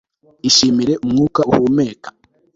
Ishimire umwuka uhumeka